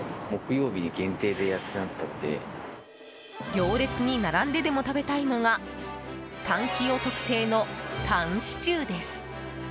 行列に並んででも食べたいのがたん清特製のタンシチューです。